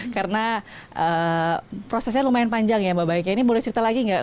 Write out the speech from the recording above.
karena prosesnya lumayan panjang ya mbak baik ini boleh cerita lagi nggak